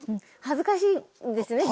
恥ずかしいんですよね。